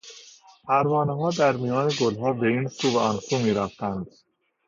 پروانهها در میان گلها به این سو و آن سو میرفتند.